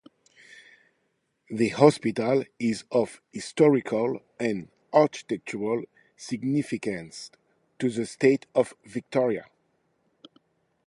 The hospital is of historical and architectural significance to the State of Victoria.